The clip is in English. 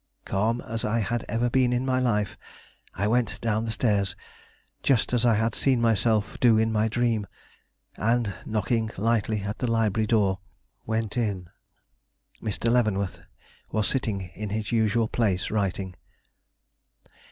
Calm as I had ever been in my life, I went down the stairs just as I had seen myself do in my dream, and knocking lightly at the library door, went in. Mr. Leavenworth was sitting in his usual place writing.